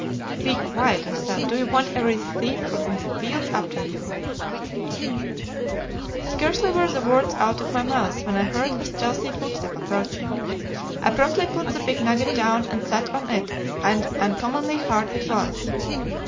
"'Be quiet!' I said; 'do you want every thief on the fields after you?' "Scarcely were the words out of my mouth when I heard a stealthy footstep approaching. I promptly put the big nugget down and sat on it, and uncommonly hard it was.